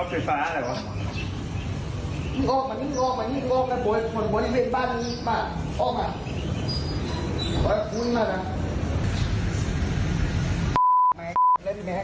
แม่เล่นแม่ยิบบ้าน